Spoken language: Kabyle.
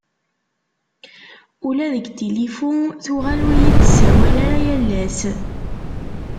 Ula deg tilifu tuɣal ur iyi-d-tessawal ara yal ass.